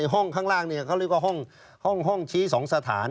ห้องข้างล่างเขาเรียกว่าห้องชี้๒สถาน